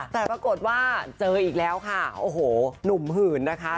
แต่ปรากฏว่าเจออีกแล้วค่ะโอ้โหหนุ่มหื่นนะคะ